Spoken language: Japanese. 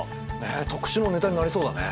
特集のネタになりそうだね。